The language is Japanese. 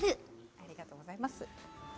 ありがとうございます。